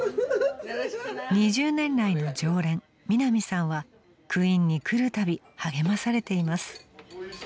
［２０年来の常連みなみさんはクインに来るたび励まされています］